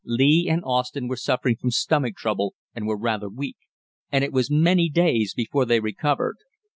Lee and Austin were suffering from stomach trouble and were rather weak, and it was many days before they recovered.